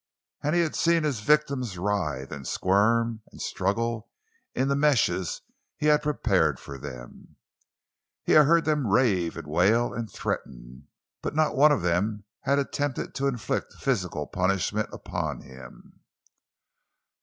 And he had seen his victims writhe and squirm and struggle in the meshes he had prepared for them. He had heard them rave and wail and threaten; but not one of them had attempted to inflict physical punishment upon him.